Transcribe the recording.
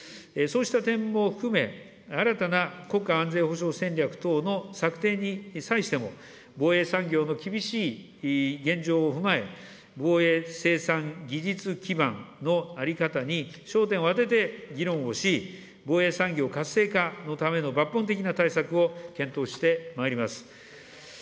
そうした点も含め、新たな国家安全保障戦略等の策定に際しても、防衛産業の厳しい現状を踏まえ、防衛生産技術基盤の在り方に焦点を当てて議論をし、防衛産業活性化のための抜本的な対策を検討してまいります。